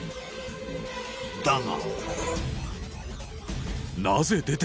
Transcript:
［だが］